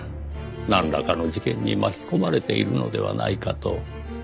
なんらかの事件に巻き込まれているのではないかと。